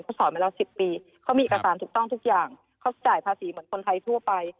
เขาสอนมาแล้ว๑๐ปีเขามีเอกสารถูกต้องทุกอย่างเขาจ่ายภาษีเหมือนคนไทยทั่วไป